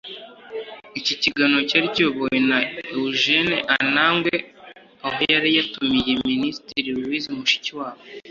Iki kiganiro cyari kiyobowe na Eugene Anangwe aho yari yatumiye Minisitiri Louise Mushikiwabo